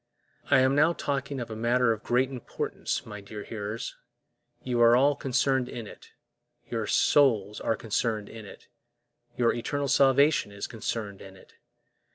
I am now talking of a matter of great importance, my dear hearers; you are all concerned in it, your souls are concerned in it, your eternal salvation is concerned in it.